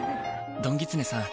どんぎつねさん